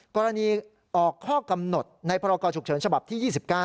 กรณีออกข้อกำหนดในพรกรฉุกเฉินฉบับที่๒๙